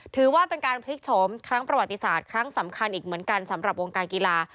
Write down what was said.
ถือว่าเป็นการพลิกโฉมครั้งประวัติศาสตร์ครั้งสำคัญอีกเหมือนกันสำหรับวงการกีฬา